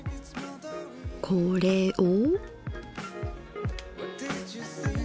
これを。